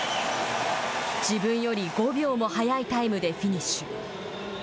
自分より５秒も速いタイムでフィニッシュ。